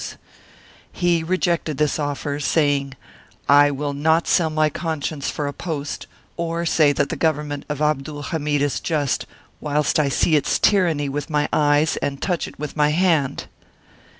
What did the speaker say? Martyred Armenia 19 He rejected this offer, saying, " I will not sell my conscience for a post, or say that the Government of Abdul Hamid is just, whilst I see its tyranny with my eyes and touch it with my hand."